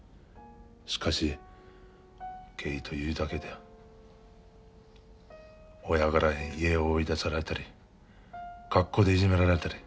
しかしゲイというだけで親から家を追い出されたり学校でいじめられたり。